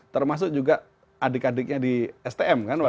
termasuk juga adik adiknya di stm kan